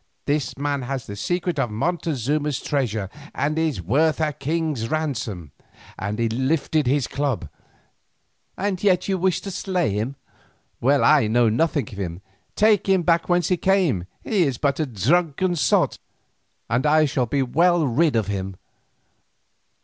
This man has the secret of Montezuma's treasure, and is worth a king's ransom," and he lifted his club. "And yet you wish to slay him! Well, I know nothing of him. Take him back whence he came. He is but a drunken sot and I shall be well rid of him."